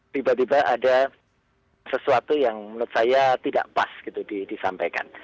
tiba tiba ada sesuatu yang menurut saya tidak pas gitu disampaikan